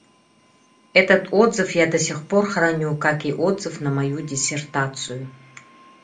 Этот отзыв я до сих пор храню, как и отзыв на мою диссертацию.